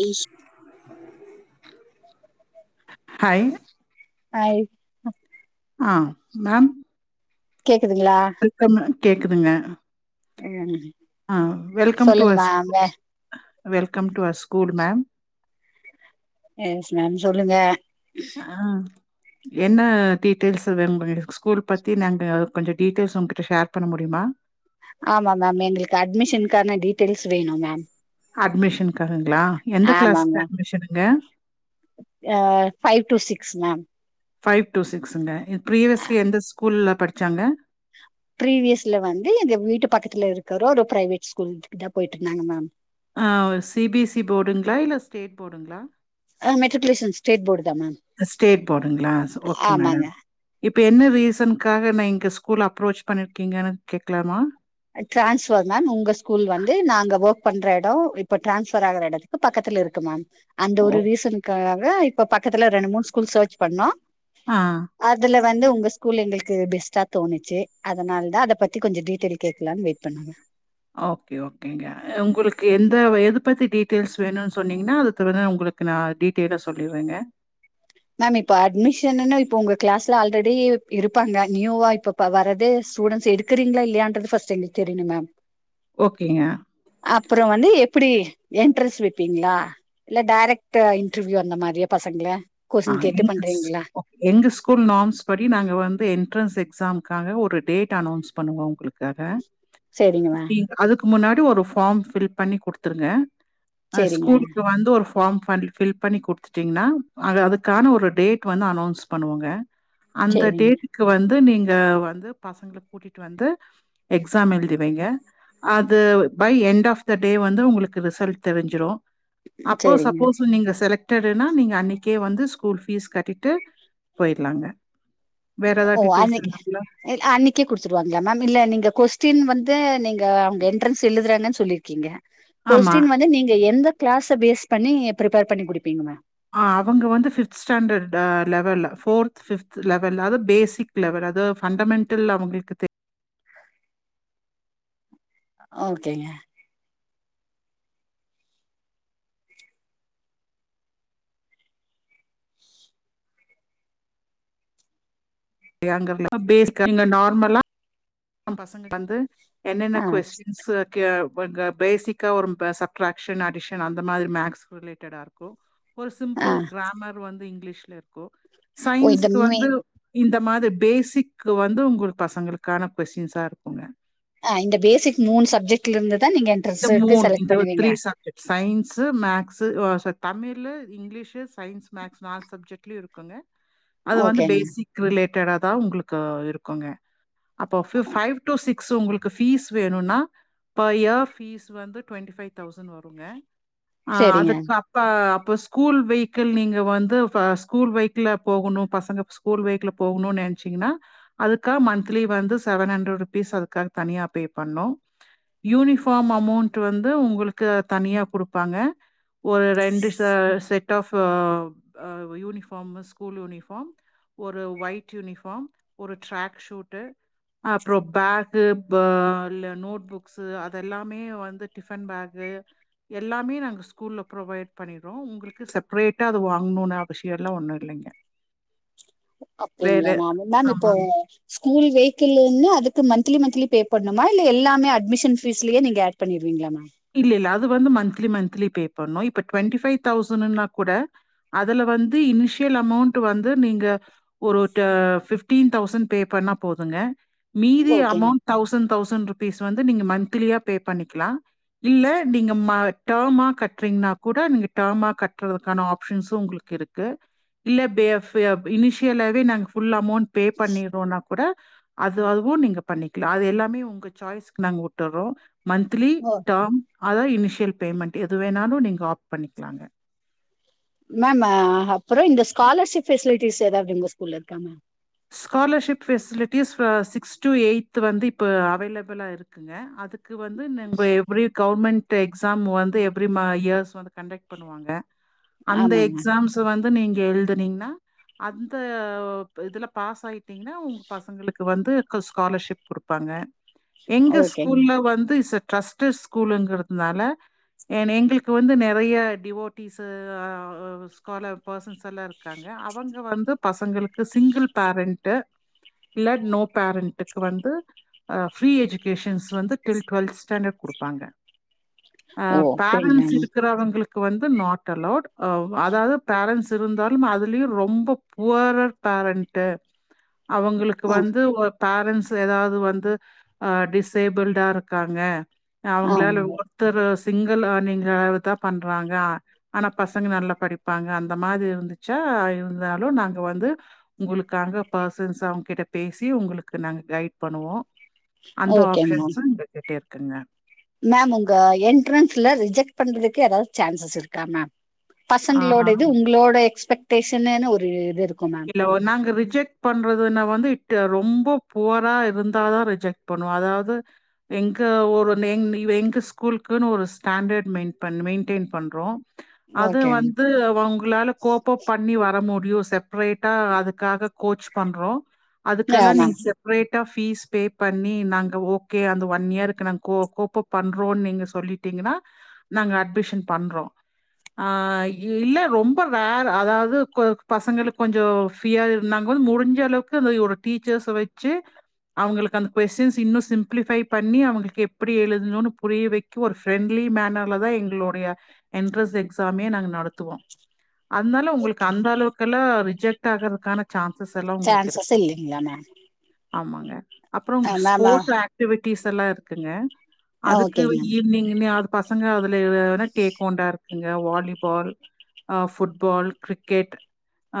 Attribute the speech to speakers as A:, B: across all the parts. A: Aish
B: hi
A: hi
B: ஆ ma'am
A: கேக்குதுங்ளா
B: welcome கேக்குதுங்க
A: ம்
B: ஆ வெல்கம் டு
A: சொல்லுங்க
B: our school
A: ma'am
B: welcome to our school ma'am
A: yes ma'am சொல்லுங்க
B: ஆ என்ன டீட்டெயில்ஸு வேணு ஒங்களுக்கு ஸ்கூல் பத்தி நாங்க கொஞ்சோ டீட்டெயில்ஸ் உங்கிட்ட ஷேர் பண்ண முடியுமா
A: ஆமா மேம் எங்ளுக்கு அட்மிஷன்கான டீட்டெயில்ஸ் வேணும் மேம்
B: அட்மிஷனுக்காகங்ளா எந்த க்ளாஸுக்கு அட்மிஷனுங்க
A: அ five to six ma'am
B: five to சிக்ஸுங்க ப்ரீவியஸ்ஸி எந்த ஸ்கூல்ல படிச்சாங்க
A: ப்ரீவியஸ்ல வந்து எங்க வீட்டு பக்கத்துல இருக்குற ஒரு பிரைவேட் ஸ்கூலுக்கு தா போயிட்டு இருந்தாங்க ma'am
B: C B S C போர்டுங்களா இல்ல ஸ்டேட் போர்டுங்களா
A: ஆ மெட்ரிகுலேசன் ஸ்டேட் போர்டு தா மேம்
B: ஸ்டேட் போர்டுங்களா ஓகே மேடம்
A: ஆமாங்க
B: இப்ப என்ன ரீசனுக்காக நா இங்க ஸ்கூல் அப்ரோச் பண்ணிருக்கீங்கனு கேக்லாமா
A: ட்ரான்ஸ்ஃபர் மேம் உங்க ஸ்கூல் வந்து நாங்க ஒர்க் பண்ற எடோ இப்ப ட்ரான்ஸ்ஃபர் ஆகற எடத் கு பக்கத்துல இருக்கு மேம் அந்த
B: ஓ!
A: ஒரு ரீசனுக்காக தா இப்ப பக்கத்துல ரெண்டு மூணு ஸ்கூல் சேர்ச் பண்ணோ
B: ஆ
A: அதுல வந்து உங்க ஸ்கூல் எங்களுக்கு பெஸ்டா தோணுச்சு அதனால தா அத பத்தி கொஞ்சோ டீட்டெயில் கேக்கலாம்னு வெயிட் பண்ணாங்க
B: ஓகே ஓகேங்க உங்களுக்கு எந்த எது பத்தி டீட்டெயில்ஸ் வேணுனு சொன்னிங்கனா அத தவிர உங்களுக் கு நா டீட்டெயிலா சொல்லிருவேங்க
A: மேம் இப்ப அட்மிஷனுனா இப்ப உங்க க்ளாஸ்ல ஆல்ரெடி இருப்பாங்க நியூவா இப்ப இப்ப வரது ஸ்டுடென்ட்ஸ் எடுக்கரிங்களா இல்லையான்றது ஃபர்ஸ்டு எங்ளுக்கு தெரியுனு மேம்
B: ஓகேங்க
A: அப்றோ வந்து எப்டி என்ட்ரஸ் வெப்பீங்ளா இல்ல டேரெக்ட் இன்ட்ருவியூ அந்த மாரியா பசங்கள
B: ஆ
A: கொஸ்சின் கேட்டு
B: எங்க ஸ்
A: பண்றீங்ளா
B: ஓகே. எங்க ஸ்கூல் நார்ம்ஸ் படி நாங்க வந்து என்ட்ரன்ஸ் எக்ஸாம்காக ஒரு டேட் அன்னோன்ஸ் பண்ணுவோ உங்ளுக் காக
A: செரிங்கமே
B: அதுக்கு முன்னாடி ஒரு ஃபார்ம் ஃபில் பண்ணி குடுத்துருங்க அ
A: சேரிங்க
B: ஸ்கூல்க்கு வந்து ஒருப் ஃபார்ம் ஃபன்ல் ஃபில் பண்ணி குடுத்துட்டிங்னா அங்க அதுக்கான ஒரு டேட் வந்து அனௌன்ஸ் பண்ணுவோங்க அந்த
A: சேரிங்க
B: டேட்டுக்கு வந்து நீங்க வந்து பசங்ள கூட்டிட்டு வந்து எக்ஸாம் எழ்தி வைங்க அது by end of the day வந்து உங்ளுக்கு ரிசல்ட் தெரிஞ்சிரு அப்போ
A: சேரிங்க
B: சப்போஸ் நீங்க செலக்டடுனா நீங்க அன்னிக் கே வந்து ஸ்கூல் ஃபீஸ் கட்டிட்டு போயிர்லாங்க வேற
A: ஒ
B: ஏதாவது
A: ஓ
B: டீட்டெயில்ஸ்
A: ஆனைக்கு
B: வேணுங்களா?
A: இல் அன்னைக்கே குடுத்துருவாங்ளா மேம் இல்ல நீங்க கொஸ்டின் வந்து நீங்க அவுங்க எண்ட்ரன்ஸ் எழுதுறாங்கன் சொல்லிர் கிங்க
B: ஆமா.
A: கொஸ்டின் வந்து நீங்க எந்த க்ளாஸ பேஸ் பண்ணி ப்ரிப்பர் பண்ணி குடுப்பீங்க மே
B: அ அவங்க வந்து ஃபிப்த் ஸ்டாண்டர்ட் அ லெவல் ஃபோர்த் ஃபிப்த் லெவல் அத பேசிக் லெவரு அது ஃபண்டமென்ட்டல் அவுங்ளுக்குத் தெ
A: ஓகேங்க
B: [inaudible] நீங்க நார்மலா அ பசங்க வந்து என்னென்ன
A: ஆ
B: கொஸ்டின்ஸு கே பன்க பேசிக்க ஒரு பே சப்ட்ரக்க்ஷன் அடிஷன் அந்த மாரி மேக்ஸ் ரிலேட்டடாருக்கு ஒரு
A: ஆ
B: சிம்பிள் கிராமர் வந்து இங்லீஷ்லருக்கு
A: ஓ இந்த
B: சய்ன்ஸுக்கு வந்து
A: மெயின்
B: இந்த மாது பேசிக்கு வந்து உங்குளு பசங்களுக்கானக் கொஸ்டின்ஸாருக்
A: அ இந்த பேசிக் மூன் சப்ஜெக்ட்ல இருந்துதா நீங்கன்
B: இந்த மூன் இந்த three subject science maths ஓச தமிழு இங்கிலீஷு சய்ன்ஸ் மேக்ஸ் நாலு சப்ஜெக்ட்லியுருக் குங்க அது வந்து
A: ஓகேங்க
B: பேசிக் ரிலேட்டடாதா உங்ளுக்க இருக்குங்க அப்போ ஃபி ஃபைவ் டு சிக்ஸ் உங்ளுக்கு பீஸ் வேணுன்னா பெர் இயப் ஃபீஸ் வந்து ட்வெண்டி ஃபைவ் தௌசண்ட் வருங்க அ
A: சரிங்க
B: அதுக்கப் பா‌ அப்ப ஸ்கூல் வெஹிக்கிள் நீங்க வந்து ஃப ஸ்கூல் பைக்கிள போகணும் பசங்கச் போர்வேக்ல போகுனுன் நென்ச்சீங்கினா அதுக்கா மன்த்லி வந்து செவன் ஹண்ட்ரட் ருபீஸ் அதுக்காக தனியா பே பண்ணு யூனிஃப் ஃபார்ம் அமௌண்ட்டு வந்து உங்குளுக்கு தனியா குடுப்பாங்க ஒரு ரெண்டு செ செட் ஆஃப் அ அ யூனிஃபாம் ம ஸ்கூல் யுனிஃபாம் ஒரு ஒய்ட் யுனிஃபாம் ஒரு ட்ராக் ஷுட்டு அப்றோ பேகு ப இல்ல நோட் புக்ஸு அத் தெல்லாமே வந்து டிஃபன் பேகு எல்லாமே நாங்கச் ஸ்கூல்ல ப்ரொவைட் பண்ணிர்றோ உங்ளுக்கு செப்ரேட்டா அது வாங்ணுனு அவசியல்லா ஒன்னு இல்லைங்க வேற
A: அப்டிங்ளா மேம் மேம் இப்போ
B: ஆமாங்க.
A: ஸ்கூல் வெஹிக்கிள்ளுனு அதுக்கு மன்த்லி மன்த்லி பே பண்ணுமா இல்ல எல்லாமே அட்மிஷன் ஃபீஸ்லியே நீங்க ஆட் பண்ணிருவீங்ளா மேம்
B: இல்ல இல்ல அது வந்து மன்த்லி மனத்லி பே பண்ணு இப்ப ட்வெண்டி ஃபைவ் தௌசணுனாக் கூட அதுல வந்து இனிஷியல் அமௌண்ட்டு வந்து நீங்க ஒரு டெ ஃபிஃப்டீன் தௌசண்ட் பே பண்ணா போதுங்க மீதி
A: ஓகேங்க
B: அமௌண்ட் தௌசண்ட் தௌசண்ட் ருபீஸ் வந்து நீங்க மன்த்திலியா பே பண்ணிக்கிலா இல்ல நீங்கமா டேமா கட்றீங்னாக் கூட நீங்க டேமா கட்றதுக்கான ஆப்ஷன்ஸு உங்ளுக் கிருக்கு இல்ல பேப் ஏப் இனிஷியலாவே நாங்க ஃபுல் அமௌண்ட் பே பண்ணிர்றோனாக் கூட அது அதுவு நீங்க பண்ணிக்கல அது எல்லாமே உங்க சாய்ஸ்க்கு நாங்க உட்டுறோ மந்த்லி
A: ஓ
B: டாம் அதா இனிஷியல் பேமெண்ட் எது வேணாலும் நீங்கள் ஆப் பண்ணிக்கலாங்க
A: மேம் அ அப்புறோ இந்த ஸ்காலர்ஷிப் ஃபெசிலிட்டிஸ் ஏதாவது உங்க ஸ்கூல இருக்கா ma'am
B: scholarship facilities six to eight வந்து இப்போ அவைலபிளாக இருக்குங்க அது க்கு வந்து நம்ப எப்டி கவர்மெண்ட் இந்த எக்ஸாம் வந்து எவரி மா இயர்ஸ் வந்து கண்டக்ட் பண்ணுவாங்க அந்த
A: ஆமாங்க
B: எக்ஸாம்ஸ் இப்ப வந்து நீங்க எழுதுனீங்கன்னா அத்த ஒப் இதுல பாஸ் ஆயட் டிங்கன்னா உங்க பசங்களுக்கு வந்து குஸ் ஸ்காலர்ஷிப் குடுப்பாங்க எங்க
A: ஓகேங்க
B: ஸ்கூல்ல வந்து இசட் டிரஸ்டட் ஸ்கூலங்கிறதுனால என எங்களுக்கு வந்து நிறைய டிவோட்டிஸ் அ ஆ ஸ்காலர் பர்சன்ஸ் எல்லா இருக்காங்க அவங்க வந்து பசங்களுக்கு சிங்கிள் பேரண்ட்டு இல்ல நோ பேரண்ட்டுக்கு வந்து ஆ ஃப்ரீ எஜுகேஷன்ஸ் வந்து டில் டெவல்த் ஸ்டாண்டர்ட் குடுப்பாங்க அ
A: ஓ அப்டிங்களா
B: பேரண்ட்ஸ்
A: மேம்
B: இருக்கிறவங்களுக் கு இப்ப வந்து நாட் அலௌட் அ அதாவது பேரண்ஸ் இருந்தாலு அதுலயு ரொம்ப புவரர் பேரண்ட் டே அவங்களுக்கு
A: ஓ
B: வந்து பேரண்ட்ஸ் ஏதாவது வந்து ஆ டிஸேபிளடா இருக்காங்க
A: ஆ
B: அவங்களால ஒ ருத்தர சிங்கல் எர்னிங் தா பண்றாங்க ஆனா பசங்க நல்லா படிப்பாங்க அந்த மாதிரி இருந்துச்சா இருந்தாலு நாங்க வந்து உங்களுக்காக பசன்ஸ் அவங்க கிட்ட பேசி உங்களுக்கு நாங்க கைட் பண்ணுவோ அந்த
A: ஓகேங்க
B: ஆப்ஷன்ஸூ எங்க கிட்ட இருக்குங்க
A: மேம் உங்க என்ட்ரன்ஸ்ல ரிஜெக்ட் பண்றதுக்கு ஏதாவது சான்சஸ் இருக்கா மேம் பசங்களோட
B: ஆ.
A: இது உங்களோட எக்ஸ்பெக்டேஷன்னு ஒரு இது இருக்கு மேம்
B: ஒ நாங்க ரிஜெக்ட் பண்றதுன்ன வந்து இட் ரொம்ப புவரா இருந்தாதா ரிஜெக்ட் பண்ணுவோ அதாவது எங்க ஒரு நெங் வெங்க ஸ்கூலுக்குன்னு ஒரு ஸ்டாண்டர்ட் மெயின் பண் மெயின்டெயின் பண்ணுறோ அது
A: ஓகே
B: வந்து அவங்களால கோப் பப் பண்ணி வர முடியு செப் ரைட்டா அதுக்காக கோச் பண்றோ அதுக்கெல்லா
A: மேம் மேம்
B: நீங்க செப் ரேட்டா ஃபீஸ் பே பண்ணி நாங்க ஓகே அந்த ஒன் இயருக்கு நாங்க கோ கோப் பப் பண்றோன்னு நீங்க சொல்லிட்டீங்கன்னா நாங்க அட்மிஷன் பண்றோ ஆ இல்ல ரொம்ப ரேர் அதாவது கோ பசங்களுக் கொஞ்சோ ஃப்ரியா இருந்தாங்கோ முடிஞ்ச அளவுக்கு அந்த ஒரு டீச்சர்ஸ வச்சு அவங்களுக்கு அந்த கொஸ்டின்ஸ் இன்னு சிம்ப்ளிஃபை பண்ணி அவங்களுக்கு எப்டி எழுதுணுனு புரிய வெக் புவர் ஃப்ரெண்ட்லி மேனர்ல தா எங்களுடைய என்ட்ரன்ஸ் எக்ஸாமே நாங்க நடத்துவோ அதனால உங்களுக்கு
A: ஓகே
B: அந்த அளவுக்குல்லா ரிஜெக்ட் ஆகுறதுக்கான சான்சஸ் எல்லா உங்களுக்கு
A: சான்சஸ்
B: இருக்கு
A: இல்லைங்களா மேம்
B: ஆமாங்க அப்புறோ உங்களுக்கு
A: மேம்
B: ஸ்போர்ட்ஸ் ஆக்டிவிட்டிஸ் எல்லா இருக்குங்க அதுக்கு
A: ஓகேங்க மேம்
B: ஈவினிங்கினே ஆகு பசங்க அதுல வேணா டேக்ஃபாண்டா இருக்குங்க வாலிபால் ஆ ஃபுட்பால் கிரிக்கெட் ஆ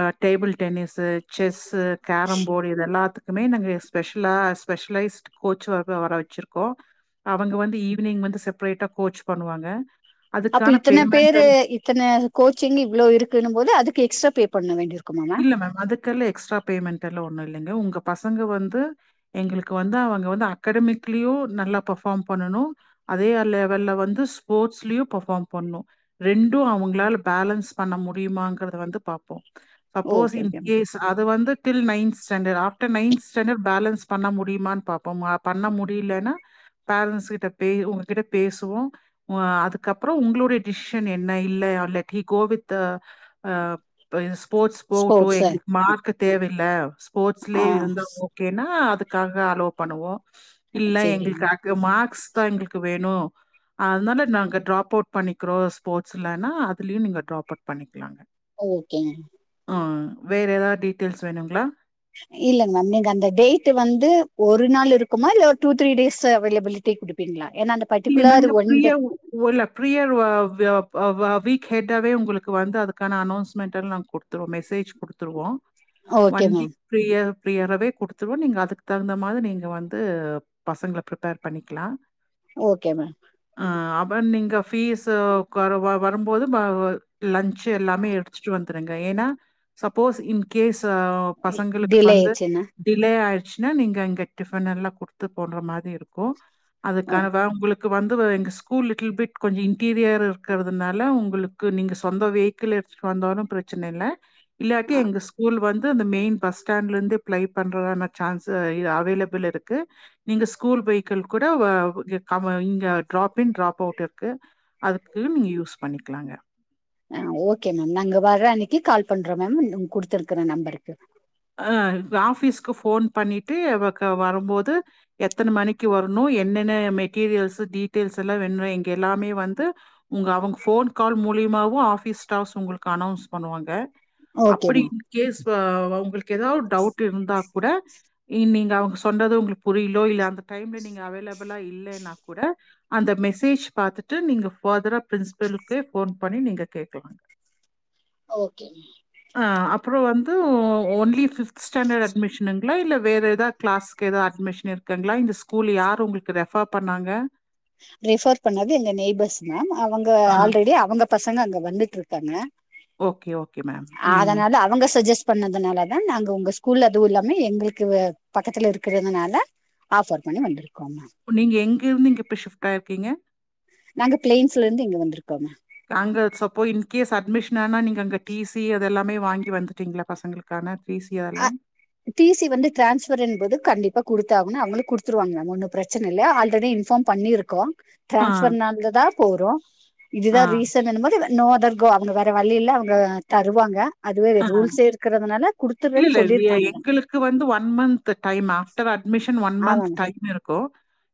B: அ டேபிள் டென்னிஸு செஸ்ஸு கேரம்போர்டு இத எல்லாத்து துமே நாங்க ஸ்பெஷலா ஸ்பெஷலைஸ்ட் கோச் வ வர வச்சிருக்கோ அவங்க வந்து ஈவினிங் வந்து செப்ரேட்டா கோச் பண்ணுவாங்க
A: அப்ப
B: அதுக்கான
A: இத்தனை
B: பேமெண்டல்
A: பேரு இத்தனை கோச்சிங்ன்னு இவ்ளோ இருக்குன்னும் போது அதுக்கு எக்ஸ்ட பே பண்ண வேண்டியிரு
B: இல்ல மேம் அதுக்கெல்லா எக்ஸ்ட்ரா பேமெண்ட் எல்லா ஒண்ணு இல்லைங்க உங்க பசங்க வந்து எங்களுக்கு வந்து அவங்க வந்து அக்காடமிகிலியு நல்லா பர்ஃபாம் பண்ணணு அதே லெவல்ல வந்து ஸ்போட்ஸ்லயும் பர்ஃபாம் பண்ணணு ரெண்டு அவுங்களால பேலன்ஸ் பண்ண முடியுமாங்கிறத வந்து பாப்போ suppose
A: okay okay ma'am
B: in case அது வந்து till ninth standard after ninth standard balance பண்ண முடியுமான் பாப்போம் அப் பண்ண முடியலனா பேரண்ட்ஸ் கிட்ட பே உங்ககிட்ட பேசுவோ உ அதுக்கப்பறோ உங்களுடைய டிசிஷன் என்ன இல்ல அ லக்கி கோ வித்து ஆ பிளேஸ் போட்ஸ் போகட்டு
A: ஸ்போர்ட்ஸ்
B: எங்களுக்கு மார்க்கு தேவயில்ல
A: ஆ
B: ஸ்போர்ட்ஸ்லே இருந்தா ஓ கேன்னா அதுக்காக அலோ பண்ணுவோ இல்ல
A: சரிங்க
B: எங்களுக்காக் கு மார்க்ஸ் தா எங்களுக்கு வேணு அதுனால நாங்க ட்ராப் அவுட் பண்ணிக்கிறோ ஸ்போர்ட்ஸ்லனா அதுலயு நீங்க ட்ராப் அவுட் பண்ணிக்கலாங்க
A: ஓகேங்க
B: ஆ வேறு எதா டீட்டெயில்ஸ் வேணுங்களா
A: இல்லங் மேம் நீங்க அந்த டேட்டு வந்து ஒரு நாள் இருக்குமா இல்ல ஒரு டூ த்ரீ டேஸ் அவைலபிலிட்டி குடுப் ப்பீங்ளா ஏனா அந்த
B: இங்க
A: பர்டிகுலர்
B: நாங்க
A: ஒன் டே
B: ஃப்ரீயாவு [unintelligible] ல்ல பிரியர் வ வே வ வ வீக் ஹெட்டாவே உங்களுக்கு வந்து அதுக்கான அனௌன்ஸ்மெண்ட் எல்லா நாங்க குடுப் துருவோ மெசேஜ் குடுத்துருவோ
A: okay
B: one
A: ma'am
B: week prior பிரியராவே குடுத்துருவோ நீங்க அதுக்கு தகுந்த மாரி நீங்க வந்து பசங்கள ப்ரிப்பேர் பண்ணிக்கலா
A: ஓகே மேம்
B: ஆ அப்ற நீங்க ஃபீஸு கொறவா வரும்போது ம வ லஞ்ச்சு எல்லாமே எடுத் ச்சுட்டு வந்துருங்க ஏனா சப்போஸ் இன்கேஸ் அ பசங்களுக்கு
A: டிலே
B: வந்து
A: ஆயிடுச்சுன்னா
B: டிலே ஆயிருச்சுனா நீங்க அங்க டிஃபனெல்லா குடுத்து போட்ற மாரி இருக்கு
A: ஓ
B: அதுக்கானதா உங்களுக் க்கு வந்து வ எங்க ஸ்கூல் லிட்டில் பிட் கொஞ்ச இன்டீரியர் இருக்கிறதுனால உங்களுக்கு நீங்க சொந்த வே கிக்கிள் எடுத்துட்டு வந்தாலு பிரச்சன இல்ல இல்லாட்டி
A: ஆ
B: எங்க ஸ்கூல் வந்து அந்த மெயின் பஸ் ஸ்டாண்ட்லருந்து பிளை பண்றதான சான்ஸு இது அவைலபிள் இருக்கு நீங்க ஸ்கூல் வெயிக்கள் கூட வ இங்க கவ இங்கெ ட்ராப்பிங் ட்ராப் அவுட் இருக்கு அதுக்கு நீங்க யூஸ் பண்ணிக்கலாங்க
A: ஆ ஓகே மேம் நாங்க வர்ற அன்னைக்கு கால் பண்றோ மேம் நீங் குடுத்திருக்குற நம்பருக்கு
B: அ ஆஃபீஸ்க்கு ஃபோன் பண்ணிட்டு அவ க வரும்போது எத்தன மணிக்கு வர்ணு என்னென்ன மெட்டீரியல்ஸு டீட்டெயில்ஸ் எல்லா வேணு இங்க எல்லாமே வந்து உங்க அவுங்க ஃபோன் கால் மூலியமாவு ஆஃபீஸ் ஸ்டாஃப்ஸ் உங்களுக்கு அனௌன்ஸ் பண்ணுவாங்க
A: ஓகே
B: அப்பிடி
A: மேம்
B: இன்கேஸ் வ உங்களுக்கு எதாவ்து டவுட் இருந்தா கூட இ நீங்க அவ்ங்க சொன்றது உங்களுக்கு புரிய்லோ இல்ல அந்த டைம்ல நீங்க அவைலபிளா இல்லேன் னா கூட அந்த மெசேஜ் பாத்துட்டு நீங்க ஃபர்தரா பிரின்ஸ்பலுக்கே ஃபோன் பண்ணி நீங்க கேக்கலாங்க
A: ஓகே மேம்
B: ஆ அப்றோ வந்து ஒ ஒன் லி ஃபிஃப்த் ஸ்டாண்டர்ட் அட்மிஷனுங்களா இல்ல வேற எதா கிளாஸ்க்கு எதா அட்மிஷன் இருக்குங்ளா இந்த ஸ் கூல் யாரு உங்களுக்கு ரெஃபர் பண்ணாங்க
A: ரெஃபர் பண்ணது எங்க நெய்பர்ஸ் மேம் அவங்க
B: ஆ
A: ஆல்ரெடி அவங்க பசங்க அங்க வந்துட்ருக்காங்க
B: ஓகே ஓகே மேம் ம்
A: அதனால அவங்க சஜஸ்ட் பண்ணதுனால தா நாங்க உங்க ஸ்கூல் அதுவு இல்லாம எங்களுக்கு பக்கத்துல இருக்கிறதுனால ஆஃபர் பண்ணி வந்திருக்கோ மேம்
B: இப்ப நீங்க எங்கிருந்து இங்கெ இப்ப ஷிஃப்ட் ஆயிருக்கீங்க
A: நாங்க பிளைன்ஸ்ல இருந்து இங்க வந்துருக்கோ மேம்
B: அங்க சப்போ இன்கேஸ் அட்மிஷன் ஆனா நீங்க அங்க டி சி அதெல்லாமே வாங்கி வந்துட்டீங்ளா பசங்களுக் கான பீஸ் ஏர்லா
A: டி சி வந்து டிரான்ஸ்ஃபர்ன்பொது கண்டிப்பா குடுத்தாகனு அவுங்களு குடுத்துருவாங்க அது ஒன்னு பிரச்சன இல்ல ஆல்ரெடி இன்ஃபார்ம் பண்ணிருக்கோ
B: ஆ,
A: டிரான்ஸ்ஃபர்னால்ததா போறோ
B: ஆ,
A: இதுதா ரீச சனு போது நோ அதர் கோ அவுங்க வேற வழி இல்ல அவுங்க தருவாங்க அதுவே
B: ஆ.
A: ரூல்ஸே இருக்குறதுனால குடுத்
B: இல்ல இல்ல [unintelligible] எங்களுக்கு வந்து one month time after admission one month
A: ஆமாங்க
B: டைம் இருக்கு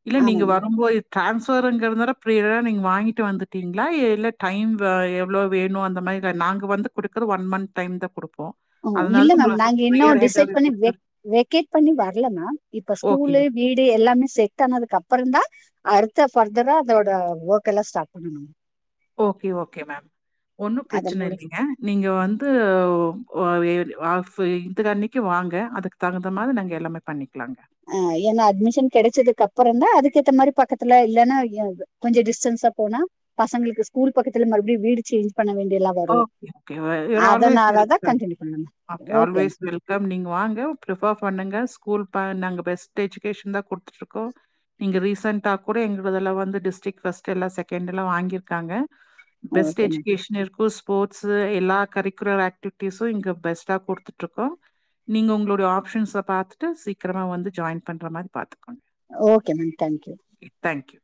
B: இல்ல
A: ஆமா
B: நீங்க
A: மேம்
B: வரும் போயி டிரான்ஸ்ஃபருங்குறனால [unintelligible] நீங்க வாங்கிட்டு வந்துட்டீங்ளா இல்ல டைம் வா இவ்ளோ வேணு அந்த மாறி நாங்க வந்து குடுக்குற ஒன் மந்த் டைம் தா குடுப்போ
A: ஓ இல்ல மேம் நாங்க இன்னொ டிசெட் பண்ணி
B: குடுத்துரு
A: வெக் வெக்கேட் பண்ணி வர்ல மேம் இப்ப
B: ஓகே,
A: ஸ்கூலு வீடு எல்லாமே செட் ஆனதுக்கு அப்பறந்தா அடுத்த ஃபர்தரா அதோட வோக் எல்லா ஸ்டார்ட் பண்ணனு
B: ஓகே ஓகே மேம் ஒன்னு
A: அத
B: பிரச்சன
A: முடி
B: இல்லிங்க நீங்க வந்து ஓ [unintelligible] வாங்க அதுக் தகுந்த மாறி நாங்க எல்லாமே பண்ணிக்கலாங்க
A: அ ஏன்னா அட்மிஷன் கெடச்சதுக்கு அப்பறொந் தா அதுக்கேத்த மாறி பக்கத்துல இல்லன்னா கொஞ்சொ டிஸ்டன்ஸா போனா பசங்ளுக்கு ஸ்கூல் பக்கத்துல மறுப்டியு வீடு சேஞ்ச் பண்ண வேண்டியலா
B: okay okay your always welcome
A: continue பண்ண மேம்
B: அ K
A: okay
B: always welcome நீங்க வாங்க ப்ரிஃபர் பண்ணுங்க ஸ்கூல் பா நாங்க பெஸ்ட் எஜுகேஷன் தா குடுத்துட் இருக்கோ நீங்க ரீசெண்டா கூட எங்களதுல வந்து டிஸ்ரிக் ஃபர்ஸ்ட் எல்லா செகண்ட் எல்லா வாங்கிருக்காங்க பெஸ்ட்
A: ஓகே மேம்
B: எஜுகேஷன் இருக் [unintelligible] ஸ்போர்ட்ஸு எல்லா கரிக்குலர் ஆக்டிவிட்டீஸு இங்க பெஸ்ட்டா குடுத்துட் இருக்கோ நீங்க ஒங்ளொடைய ஆப்ஷன்ஸ பாத்துட்டு சீக்கரமா வந்து ஜாயின் பண்ற மாறி பாத்துக்கோங்க
A: ஓகே மேம் டேங்க் யூ
B: இ தேங்க் யூ